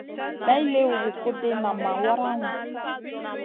May liw zi kuɗ ɗi, nam ma waraŋu.